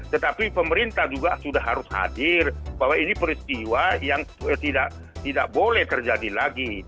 tetapi pemerintah juga sudah harus hadir bahwa ini peristiwa yang tidak boleh terjadi lagi